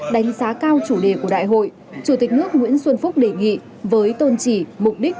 đánh giá cao chủ đề của đại hội chủ tịch nước nguyễn xuân phúc đề nghị với tôn trị mục đích